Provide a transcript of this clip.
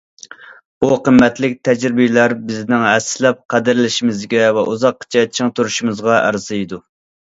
بۇ قىممەتلىك تەجرىبىلەر بىزنىڭ ھەسسىلەپ قەدىرلىشىمىزگە ۋە ئۇزاققىچە چىڭ تۇرۇشىمىزغا ئەرزىيدۇ.